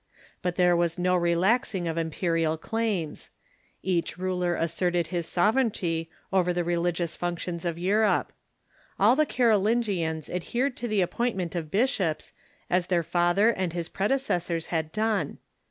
But there was no relaxing of imperial claims. Each ruler asserted his sovereignty over the religious functions of Europe. All the Carolingians adhered to the ap CHURCH AND STATE UNDER LATER CAROLINGIAN RULERS 111 pointment of bishops, as their father and his predecessors had done.